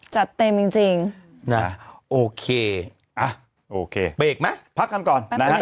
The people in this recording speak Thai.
จัดเต็มจริงจริงน่ะโอเคอ่ะโอเคไปอีกมั้ยพักกันก่อนนะฮะ